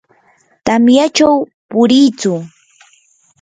tamyachaw puriitsu.